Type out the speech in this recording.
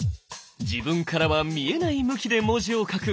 自分からは見えない向きで文字を書く